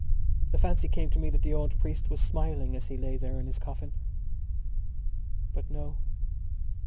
The fancy came to me that the old priest was smiling as he lay there in his coffin. But no.